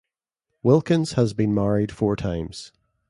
Wilkins has been married four times.